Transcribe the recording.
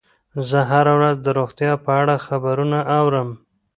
زه هره ورځ د روغتیا په اړه خبرونه اورم.